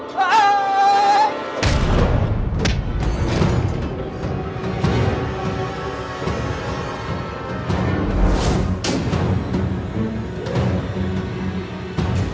ช่วยกูด้วยมันเห็นกูไปก็ยังไม่อยากตาย